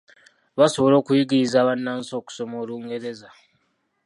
Baasobola okuyigiriza Bannansi okusoma Olungereza.